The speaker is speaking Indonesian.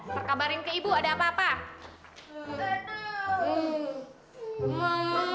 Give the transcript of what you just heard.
terkabarin ke ibu ada apa apa